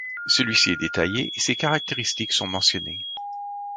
Celui-ci est détaillé et ses caractéristiques sont mentionnées.